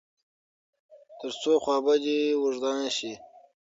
تر څو خوابدي اوږده نسي.